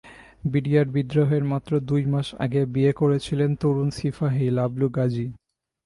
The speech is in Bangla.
বিডিআর বিদ্রোহের মাত্র দুই মাস আগে বিয়ে করেছিলেন তরুণ সিপাহী লাবলু গাজী।